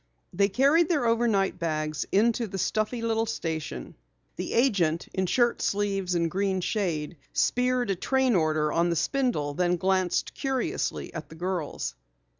They carried their over night bags into the stuffy little station. The agent, in shirt sleeves and green eye shade, speared a train order on the spindle and then glanced curiously at the girls.